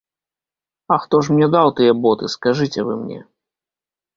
А хто ж мне даў тыя боты, скажыце вы мне?